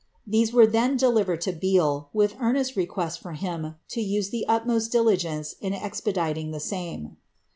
These were deliTered to Beale, with earnest request for him to use the utmost ence in expediting the same.